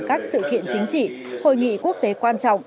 các sự kiện chính trị hội nghị quốc tế quan trọng